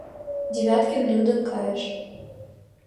— Девяткин лӱдын кайыш.